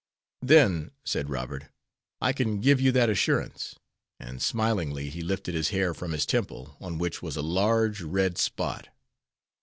"Then," said Robert, "I can give you that assurance," and smilingly he lifted his hair from his temple, on which was a large, red spot.